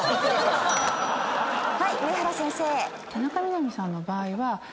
はい上原先生。